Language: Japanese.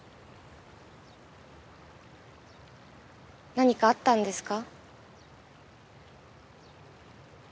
何かあったんですか？